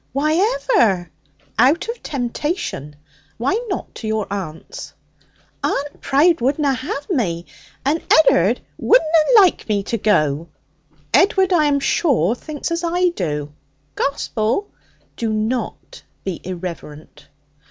Why ever?' 'Out of temptation. Why not to your aunt's?' 'Aunt Prowde wouldna have me. And Ed'ard wouldna like me to go.' 'Edward, I am sure, thinks as I do.' 'Gospel?' 'Do not be irreverent.'